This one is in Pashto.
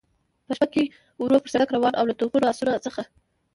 په شپه کې ورو پر سړک روان و، له توپونو، اسونو څخه.